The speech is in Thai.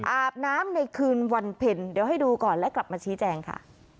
อาบน้ำในคืนวันเพ็ญเดี๋ยวให้ดูก่อนและกลับมาชี้แจงค่ะ